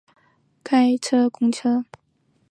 开车公车